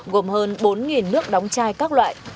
gồm hơn bốn nước đóng chai các loại